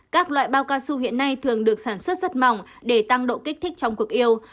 các loại bao cao su hiện nay thường được sản xuất rất mỏng để tăng độ kích thích trong cuộc yêu